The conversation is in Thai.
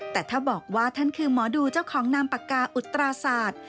แต่ถ้าบอกว่าท่านคือหมอดูเจ้าของนามปากกาอุตราศาสตร์